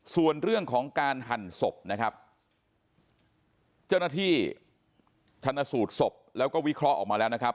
ส่วนเรื่องของการหั่นศพนะครับเจ้าหน้าที่ชนสูตรศพแล้วก็วิเคราะห์ออกมาแล้วนะครับ